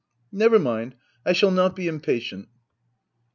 Never mind ; I shall not be impatient.